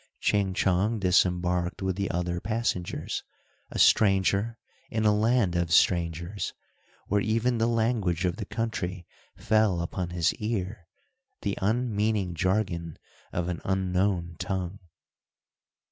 Ching Chong disembarked with the other passengers, a stranger in a land of strangers, where even the language of the country fell upon his ear, the unmeaning jargon of an unknown tongue.